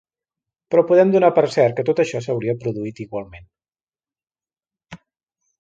Però podem donar per cert que tot això s’hauria produït igualment.